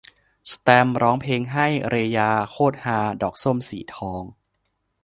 แสตมป์ร้องเพลงให้ "เรยา" โคตรฮา ! ดอกส้มสีทอง